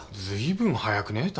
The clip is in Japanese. ずいぶん早くね？